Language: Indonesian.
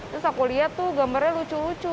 terus aku lihat tuh gambarnya lucu lucu